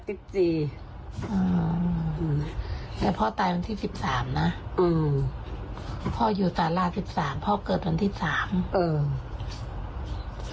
แต่พ่อตายวันที่๑๓นะอืมพ่ออยู่สารา๑๓พ่อเกิดวันที่๓เออ